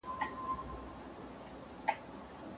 لطفاً په تولیدي چارو کي پانګونه وکړئ.